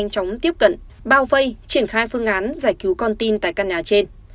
trong tiếp cận bao vây triển khai phương án giải cứu con tin tại căn nhà trên